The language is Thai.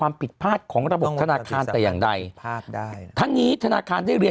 ๑๕มกราคมแล้ว